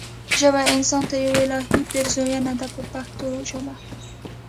ژبه انسان ته یوه الهي پیرزوینه ده په پښتو ژبه.